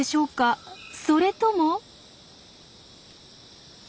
それとも？